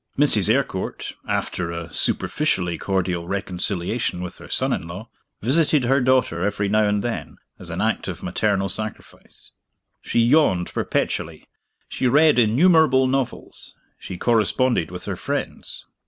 Mrs. Eyrecourt (after a superficially cordial reconciliation with her son in law) visited her daughter every now and then, as an act of maternal sacrifice. She yawned perpetually; she read innumerable novels; she corresponded with her friends.